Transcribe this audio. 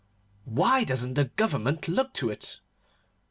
Why doesn't the Government look to it?